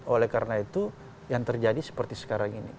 oleh karena itu yang terjadi seperti sekarang ini